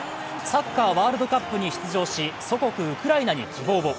サッカーワールドカップに出場し、祖国ウクライナに希望を。